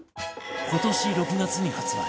今年６月に発売